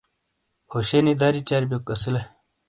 ہوشے نی دری چربیوک اسیلے۔